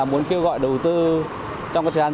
muốn kêu gọi đầu tư trong các giai đoạn